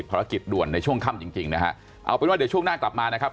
ภารกิจด่วนในช่วงค่ำจริงจริงนะฮะเอาเป็นว่าเดี๋ยวช่วงหน้ากลับมานะครับ